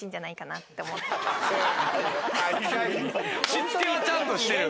しつけはちゃんとしてる。